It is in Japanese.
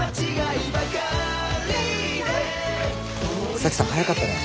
沙樹さん早かったね。